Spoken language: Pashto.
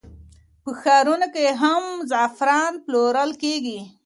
په ښارونو کې هم زعفران پلورل کېږي.